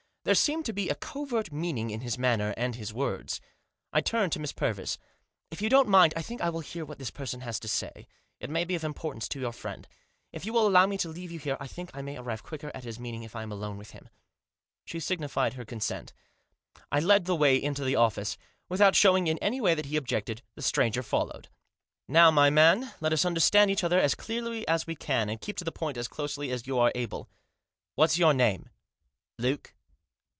There seemed to be a covert meaning in his manner and his words. I turned to Miss Purvis. "If you don't mind I think I will hear what this person has to say ; it may be of importance to your friend. If you will allow me to leave you here, I think I may arrive quicker at his meaning if I am alone with him." She signified her consent. I led the way into the office. Without showing in any way that he objected, the stranger followed. " Now my man, let us understand each other as clearly as we can, and keep to the point as closely as you are able. What's your name ?" "Luke."